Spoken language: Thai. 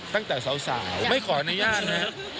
ตั้งแต่สาวไม่ขออนุญาตนะครับ